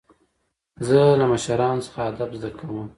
زه له مشرانو څخه ادب زده کوم.